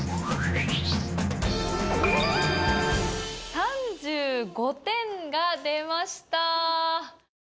３５点が出ました。